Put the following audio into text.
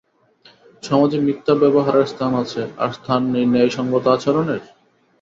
সমাজে মিথ্যা ব্যবহারের স্থান আছে আর স্থান নেই ন্যায়সংগত আচরণের?